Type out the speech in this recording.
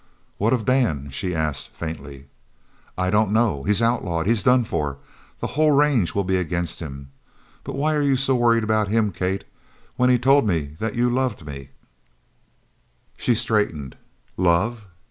"What of Dan?" she asked faintly. "I don't know. He's outlawed. He's done for. The whole range will be against him. But why are you so worried about him, Kate? when he told me that you loved me " She straightened. "Love?